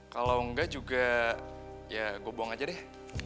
kalo enggak juga ya gue bohong aja deh